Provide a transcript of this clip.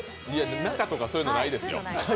中とかそういうのないですよ。